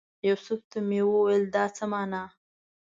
یوسف ته مې وویل دا څه مانا؟